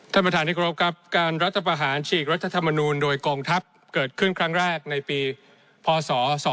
ท่านประธานที่กรบครับการรัฐประหารฉีกรัฐธรรมนูลโดยกองทัพเกิดขึ้นครั้งแรกในปีพศ๒๕๖